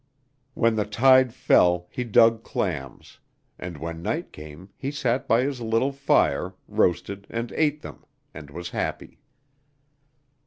When the tide fell he dug clams, and when night came he sat by his little fire, roasted and ate them, and was happy.